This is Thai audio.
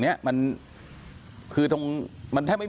แล้วนะ